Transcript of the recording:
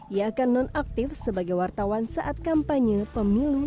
ia akan nonaktif sebagai wartawan saat kampanye pemilu dua ribu dua puluh empat